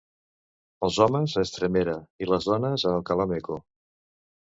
Els homes a Estremera i les dones a Alcalá-Meco.